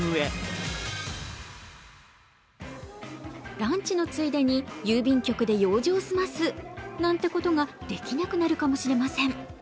ランチのついでに郵便局で用事を済ますなんてことができなくなるかもしれません。